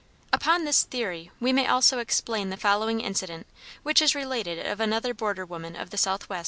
Upon this theory we may also explain the following incident which is related of another border woman of the southwest.